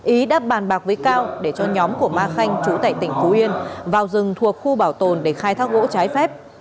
ý đã bàn bạc với cao để cho nhóm của ma khanh chú tại tỉnh phú yên vào rừng thuộc khu bảo tồn để khai thác gỗ trái phép